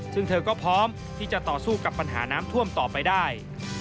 ซึ่งเธอก็พร้อมที่จะต่อสู้กับปัญหาน้ำท่วมต่อไปได้